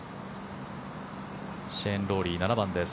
シェーン・ロウリー、７番です。